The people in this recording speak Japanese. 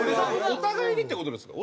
お互いにって事ですか？